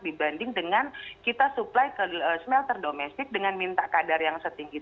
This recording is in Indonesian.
dibanding dengan kita supply ke smelter domestik dengan minta kadar yang setinggi